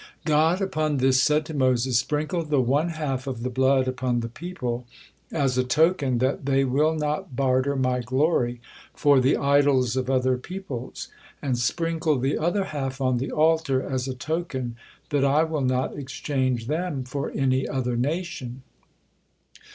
God upon this said to Moses: "Sprinkle the one half of the blood upon the people, as a token that they will not barter My glory for the idols of other peoples; and sprinkle the other half on the altar, as a token that I will not exchange them for any other nation."